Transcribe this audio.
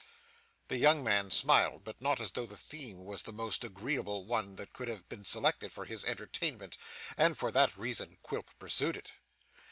The young man smiled, but not as though the theme was the most agreeable one that could have been selected for his entertainment; and for that reason Quilp pursued it.